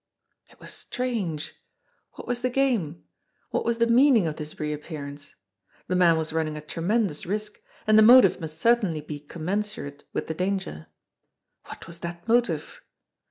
It was strange! What was the game? What was the meaning of this reappearance? The man was running a tremendous risk, and the motive must certainly be commen surate with the danger. What was that motive?